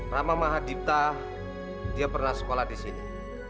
rama mahadipta dia pernah sekolah di sini